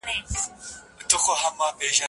نن به یاد سي په لنډیو کي نومونه